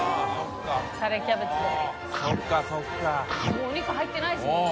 もうお肉入ってないですもんね